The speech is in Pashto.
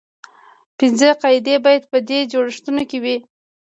پنځه قاعدې باید په دې جوړښتونو کې وي.